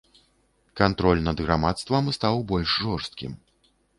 Кантроль над грамадствам стаў больш жорсткім.